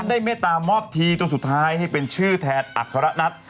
ท่านได้เมตตามอบที่ตอนสุดท้ายให้เป็นชื่อแทนอัครนัฐ